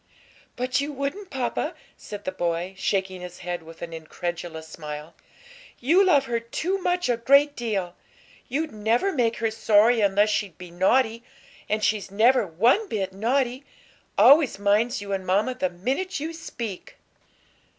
"But you wouldn't, papa," said the boy, shaking his head with an incredulous smile. "You love her too much a great deal; you'd never make her sorry unless she'd be naughty; and she's never one bit naughty, always minds you and mamma the minute you speak."